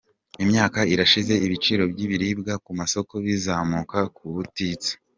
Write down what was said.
Imyaka irashize ibiciro by’ibiribwa ku masoko bizamuka ubutitsa.